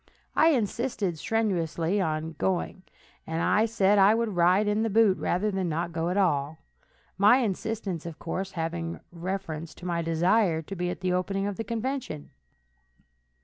I insisted strenuously on going, and said I would ride in the boot rather than not go at all, my insistence, of course, having reference to my desire to be at the opening of the convention.